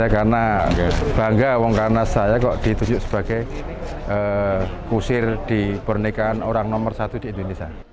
karena bangga wong karena saya kok ditujuk sebagai kusir di pernikahan orang nomor satu di indonesia